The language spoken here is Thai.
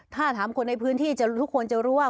ถ้าถามคนในพื้นที่ทุกคนจะรู้ว่า